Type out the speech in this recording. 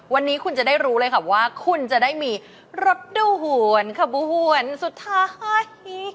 วันนี้คุณจะได้รู้เลยค่ะว่าคุณจะได้มีรถดูหวนขบวนหวนสุดท้าย